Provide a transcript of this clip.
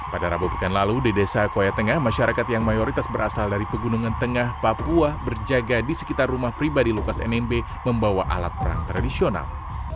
pada rabu pekan lalu di desa koya tengah masyarakat yang mayoritas berasal dari pegunungan tengah papua berjaga di sekitar rumah pribadi lukas nmb membawa alat perang tradisional